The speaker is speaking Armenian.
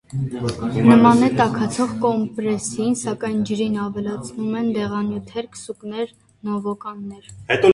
Նման է տաքացնող կոմպրեսին, սակայն ջրին ավելացվում է դեղանյութեր՝ քսուքներ, նովոկային։